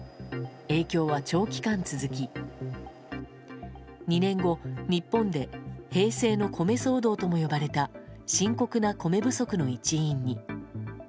影響は長期間続き２年後、日本で平成の米騒動とも呼ばれた深刻な米不足の一因に。